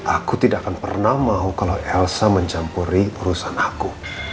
aku tidak akan pernah mau kalau elsa mencampuri urusan aku